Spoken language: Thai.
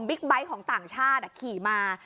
ไบท์ของต่างชาติขี่มา